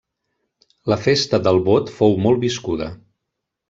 La festa del Vot fou molt viscuda.